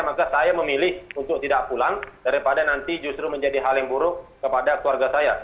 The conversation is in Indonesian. maka saya memilih untuk tidak pulang daripada nanti justru menjadi hal yang buruk kepada keluarga saya